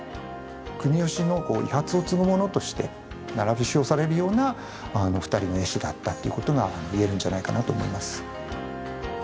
国芳の衣鉢を継ぐ者として並び称されるような２人の絵師だったっていうことが言えるんじゃないかなと思います。